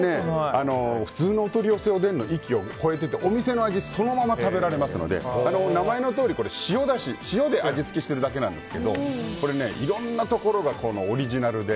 普通のお取り寄せおでんの域を超えててお店の味そのまま食べられますので名前のとおり塩だし、塩で味付けしてるだけなんですけどいろんなところがオリジナルで。